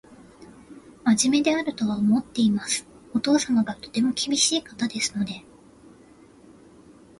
真面目であるとは思っています。お父様がとても厳しい方ですので